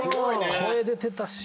声出てたし。